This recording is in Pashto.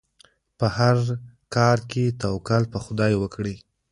په هر کار کې توکل په خدای وکړئ.